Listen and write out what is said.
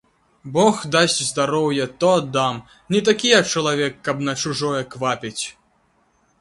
Бог дасць здароўе, то аддам, не такі я чалавек, каб на чужое квапіць.